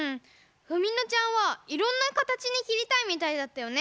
ふみのちゃんはいろんなカタチにきりたいみたいだったよね。